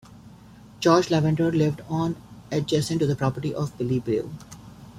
George Lavender lived on adjacent to the property of Billy Blue.